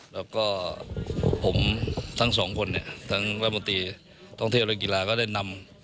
แล้วก็ผมทั้งสองคนเนี่ยทั้งรัฐมนตรีท่องเที่ยวและกีฬาก็ได้นำ